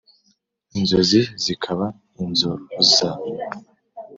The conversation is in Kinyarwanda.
Inzozi zikaba inzoza